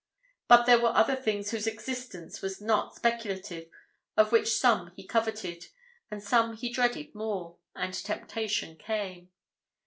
But there were other things whose existence was not speculative, of which some he coveted, and some he dreaded more, and temptation came.